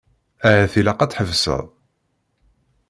Ahat ilaq ad tḥebseḍ.